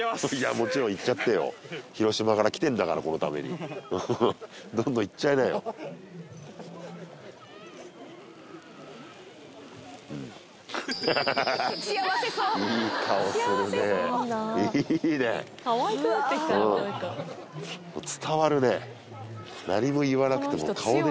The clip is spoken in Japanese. もちろんいっちゃってよ広島から来てんだからこのためにふふふどんどんいっちゃいなよいい顔するねいいね伝わるね